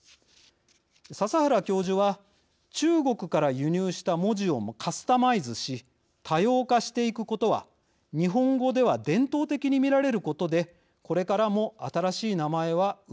笹原教授は「中国から輸入した文字をカスタマイズし多様化していくことは日本語では伝統的に見られることでこれからも新しい名前は生まれるだろう。